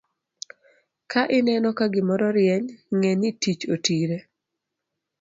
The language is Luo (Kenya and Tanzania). Ka ineno ka gimoro rieny, ng'e ni tich otire.